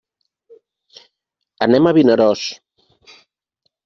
Anem a Vinaròs.